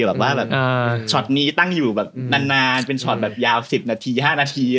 แบบว่าแบบช็อตนี้ตั้งอยู่แบบนานเป็นช็อตแบบยาว๑๐นาที๕นาที